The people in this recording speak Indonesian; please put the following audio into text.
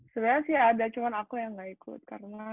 sebenarnya sih ada cuma aku yang gak ikut karena kayak gitu